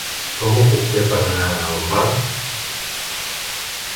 Com ho puc fer per anar a Alfarb?